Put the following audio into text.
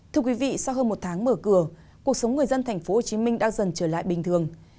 thưa quý vị sau hơn một tháng mở cửa cuộc sống người dân tp hcm đã dần trở lại bình thường